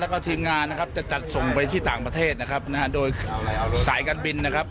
แล้วก็ทีมงานนะครับจะจัดส่งไปที่ต่างประเทศนะครับนะฮะโดยสายการบินนะครับ